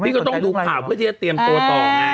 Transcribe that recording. นี่ก็ต้องดูคำก็จะเตรียมตัวต่อไง